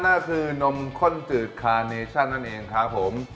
นั่นคือนมข้นจืดคาเนชั่นนั่นเองครับผม